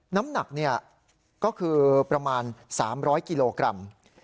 น้ำหนักก็คือประมาณ๓๐๐กิโลกรัม